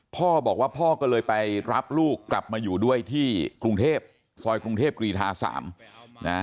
พ่อบอกว่าพ่อก็เลยไปรับลูกกลับมาอยู่ด้วยที่กรุงเทพซอยกรุงเทพกรีธา๓นะ